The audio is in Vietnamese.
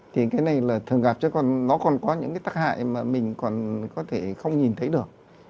thì cái này là thường gặp chứ còn nó còn có những cái tác hại mà mình còn có thể không nhìn thấy được